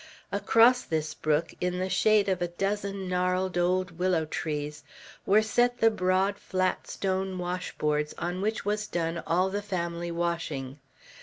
Across this brook, in the shade of a dozen gnarled old willow trees, were set the broad flat stone washboards on which was done all the family washing.